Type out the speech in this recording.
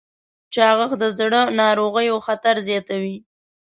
چاغښت د زړه ناروغیو خطر زیاتوي.